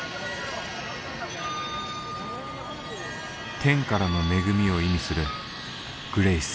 天からの恵みを意味する「ｇｒａｃｅ」。